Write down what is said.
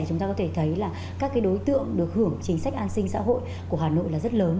chúng ta có thể thấy là các đối tượng được hưởng chính sách an sinh xã hội của hà nội là rất lớn